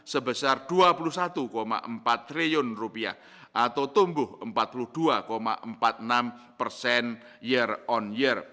sebesar dua puluh satu empat triliun rupiah atau tumbuh empat puluh dua empat puluh enam persen year on year